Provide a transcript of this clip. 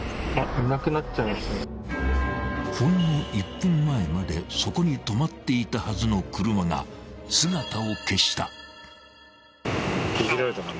［ほんの１分前までそこに止まっていたはずの車が姿を消した］